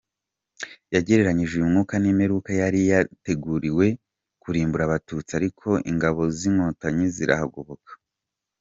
Yagereranyije uyu mwaka n’imperuka yari yateguriwe kurimbura Abatutsi ariko ingabo z’Inkotanyi zirahagoboka.